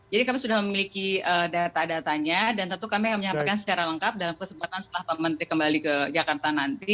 jadi kami sudah memiliki data datanya dan tentu kami menyampaikan secara lengkap dalam kesempatan setelah pemerintah kembali ke jakarta nanti